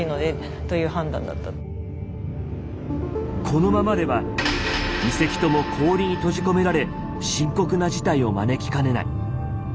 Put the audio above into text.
「このままでは２隻とも氷に閉じ込められ深刻な事態を招きかねない。